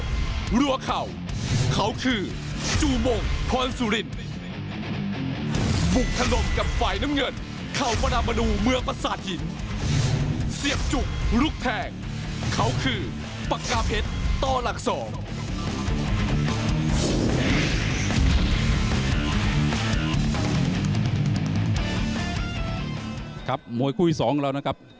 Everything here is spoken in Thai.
ครับมวยคู่อีก๒แล้วนะครับ